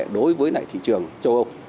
đối với lại thị trường châu âu